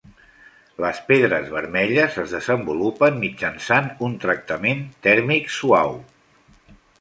Les pedres vermelles es desenvolupen mitjançant un tractament tèrmic suau.